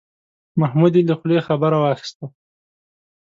محمود یې له خولې خبره واخیسته.